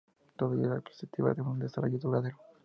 Todo ello con la perspectiva de un desarrollo duradero.